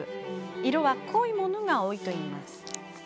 色は濃いものが多いといいます。